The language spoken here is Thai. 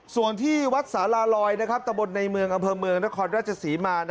ส่วนที่วัดสาลาลอยตะบนในเมืองอำเภอเมืองนครราชศรีมา